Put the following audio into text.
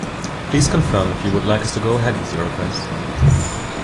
Please confirm if you would like us to go ahead with your request.